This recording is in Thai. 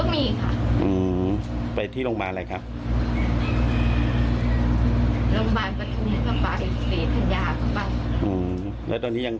อ๋อมีตั้งนานแล้วจัง